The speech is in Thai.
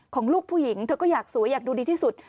ของลูกผู้หญิงเธอก็อยากสวยอยากดูดีที่สุด